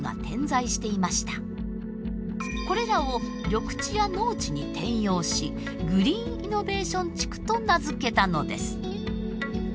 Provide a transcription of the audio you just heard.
これらを緑地や農地に転用しグリーンイノベーション地区と名付けたのです。